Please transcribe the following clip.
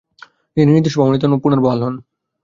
তিনি নির্দোষ প্রমাণিত হন ও পুণর্বহাল হন।